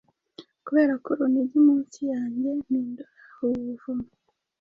Kuberako urunigi munsi yanjye mpindura ubu buvumo